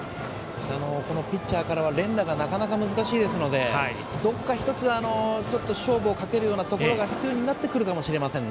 ピッチャーからは連打がなかなか難しいのでどこか１つ勝負をかけるところが必要になってくるかもしれません。